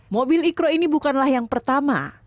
mobil ikro ini bukanlah yang pertama